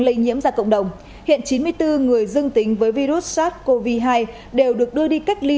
lây nhiễm ra cộng đồng hiện chín mươi bốn người dương tính với virus sars cov hai đều được đưa đi cách ly